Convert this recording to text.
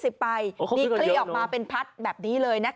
เขาซื้อกันเยอะนะมีคลิกออกมาเป็นพัดแบบนี้เลยนะคะ